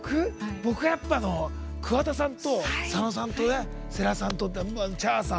僕はやっぱり桑田さんと佐野さんと世良さんとＣｈａｒさん